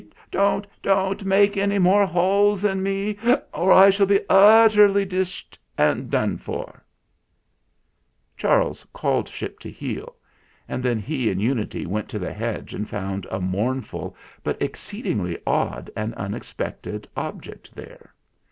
Don't, don't make any more holes in me or I shall be utterly dished and done for !" Charles called Ship to heel, and then he and Unity went to the hedge and found a mournful but exceedingly odd and unexpected object there.